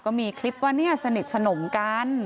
ก็มีคลิปว่าเนี่ยสนิทสนมกัน